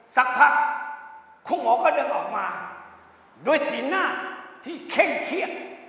สักพักคุณหมอก็เดินออกมาด้วยสีหน้าที่เคร่งเครียด